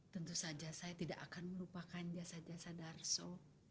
tentu saja saya tidak akan melupakan jasa jasa darso